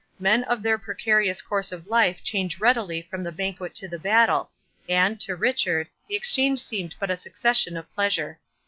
Men of their precarious course of life change readily from the banquet to the battle; and, to Richard, the exchange seemed but a succession of pleasure.